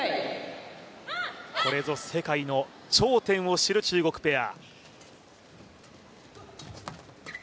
これぞ世界の頂点を知る中国ペア。